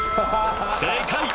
正解！